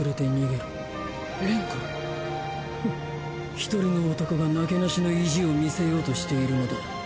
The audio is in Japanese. １人の男がなけなしの意地を見せようとしているのだ。